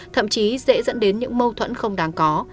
thậm chí dễ dẫn đến những mâu thuẫn không đáng có